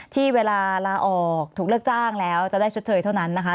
ที่เวลาลาออกถูกเลือกจ้างแล้วจะได้ชดเชยเท่านั้นนะคะ